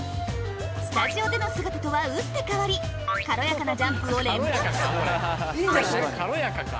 スタジオでの姿とは打って変わり軽やかなジャンプを連発軽やかか？